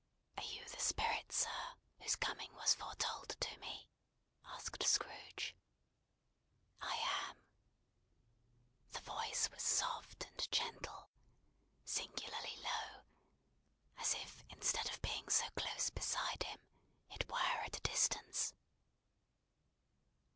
"Are you the Spirit, sir, whose coming was foretold to me?" asked Scrooge. "I am!" The voice was soft and gentle. Singularly low, as if instead of being so close beside him, it were at a distance.